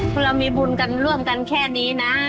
คือเรามีบุญกันร่วมกันแค่นี้นะ